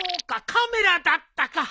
カメラだったか！